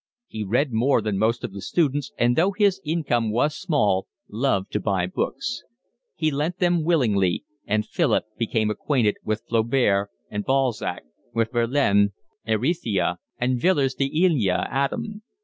He read more than most of the students and though his income was small, loved to buy books. He lent them willingly; and Philip became acquainted with Flaubert and Balzac, with Verlaine, Heredia, and Villiers de l'Isle Adam.